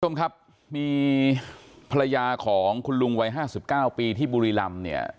คุณผู้ชมครับมีภรรยาของคุณลุงวัย๕๙ปีที่บุรีรำเนี่ย